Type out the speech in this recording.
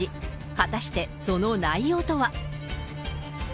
果たして、その内容とは。